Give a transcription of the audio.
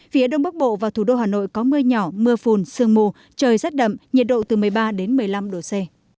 phía đông bắc bộ và thủ đô hà nội có mưa nhỏ mưa phùn sương mù trời rất đậm nhiệt độ từ một mươi ba đến một mươi năm độ c